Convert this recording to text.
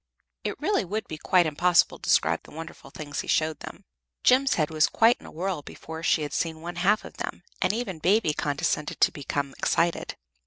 It really would be quite impossible to describe the wonderful things he showed them. Jem's head was quite in a whirl before she had seen one half of them, and even Baby condescended to become excited.